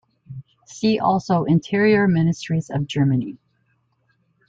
See also Interior Ministers of Germany.